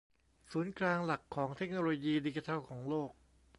ศูนย์กลางหลักของเทคโนโลยีดิจิทัลของโลก